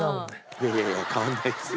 いやいやいや変わらないですよ。